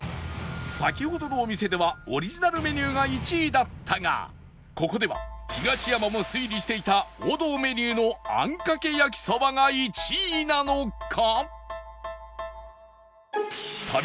先ほどのお店ではオリジナルメニューが１位だったがここでは東山も推理していた王道メニューのあんかけ焼きそばが１位なのか？